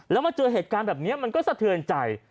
แล้วมาเจอเหตุการณ์แบบนี้มันก็สะเทือนใจ